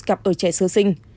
gặp ở trẻ sơ sinh